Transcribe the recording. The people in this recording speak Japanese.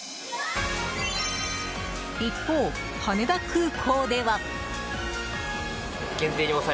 一方、羽田空港では。